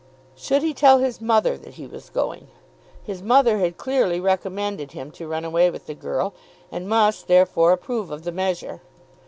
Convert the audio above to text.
Should he tell his mother that he was going? His mother had clearly recommended him to run away with the girl, and must therefore approve of the measure.